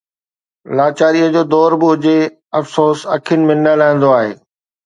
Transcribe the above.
لاچاريءَ جو دور به هجي، افسوس اکين ۾ نه لهندو آهي